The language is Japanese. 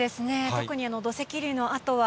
特に土石流のあとは、